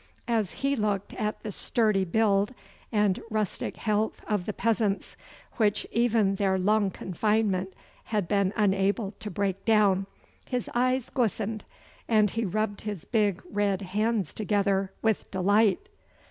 As he looked at the sturdy build and rustic health of the peasants, which even their long confinement had been unable to break down, his eyes glistened, and he rubbed his big red hands together with delight.